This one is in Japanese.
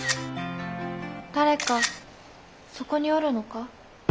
誰かそこにおるのか？